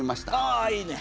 あいいね。